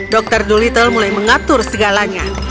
dokter doolittle mulai mengatur segalanya